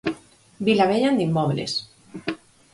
Vilavellan de inmobles.